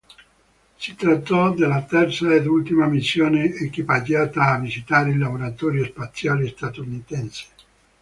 Si trattò della terza ed ultima missione equipaggiata a visitare il laboratorio spaziale statunitense.